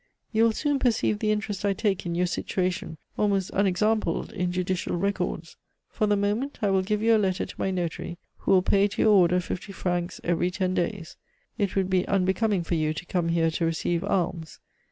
You will soon perceive the interest I take in your situation, almost unexampled in judicial records. For the moment I will give you a letter to my notary, who will pay to your order fifty francs every ten days. It would be unbecoming for you to come here to receive alms.